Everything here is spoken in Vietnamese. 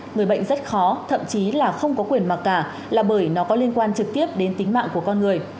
người bệnh rất khó thậm chí là không có quyền mặc cả là bởi nó có liên quan trực tiếp đến tính mạng của con người